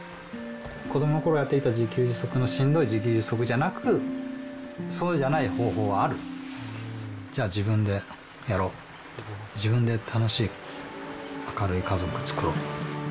子どものころやっていたしんどい自給自足じゃなく、そうじゃない方法はある、じゃあ自分でやろう、自分で楽しい、明るい家族作ろう。